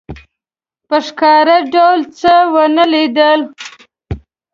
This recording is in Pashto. په ښکاره ډول څه ونه لیدل.